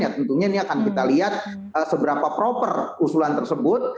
tentunya ini akan kita lihat seberapa proper usulan tersebut